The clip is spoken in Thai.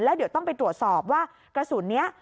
แล้วเดี๋ยวต้องไปตรวจสอบว่ากระสุนนี้